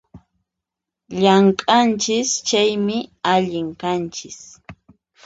Llamk'anchis chaymi, allin kanchis